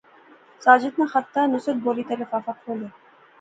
ساجد ناں خط دا، نصرت بولی تے لفافہ کھولیا